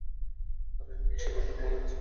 আরে, নিক, সেই গল্পটি মনে আছে।